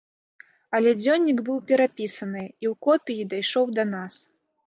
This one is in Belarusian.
Але дзённік быў перапісаны, і ў копіі дайшоў да нас.